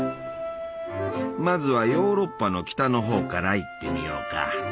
まずはヨーロッパの北のほうから行ってみようか。